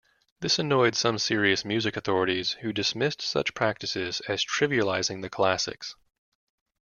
This annoyed some serious music authorities, who dismissed such practices as trivializing the classics.